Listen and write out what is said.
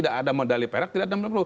kalau medali perak tidak enam puluh